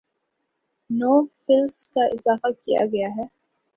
نو فلس کا اضافہ کیا گیا ہے